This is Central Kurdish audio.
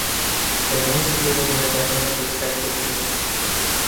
دەمویست ببمە داھێنەرێک کاتێک گەنج بووم.